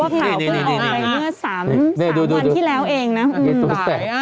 เพราะว่าข่าวคืนออกไปเมื่อ๓วันที่แล้วเองนะดูตัวแสบ